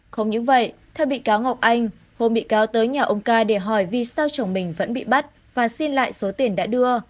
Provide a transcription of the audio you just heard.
không những vậy theo bị cáo ngọc anh hôm bị cáo tới nhà ông ca để hỏi vì sao chồng mình vẫn bị bắt và xin lại số tiền đã đưa